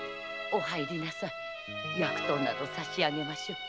薬湯などを差し上げましょう。